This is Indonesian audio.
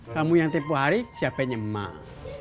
kamu yang tipu hari siapa nyemak